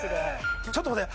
ちょっと待って。